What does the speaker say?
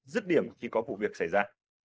dứt điểm khi có vụ việc xảy ra